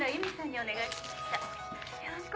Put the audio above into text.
お願いします。